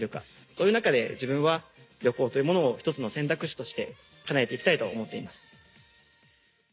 そういう中で自分は旅行というものを１つの選択肢として叶えていきたいと思っています。